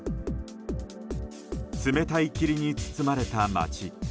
冷たい霧に包まれた街。